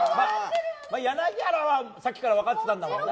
柳原はさっきから分かってたもんな。